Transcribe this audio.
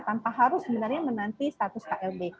tanpa harus sebenarnya menanti status klb